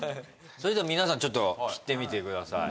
それでは皆さんちょっと切ってみてください